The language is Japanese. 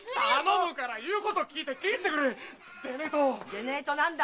でねえと何だ？